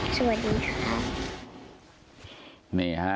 สวัสดีครับ